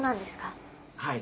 はい。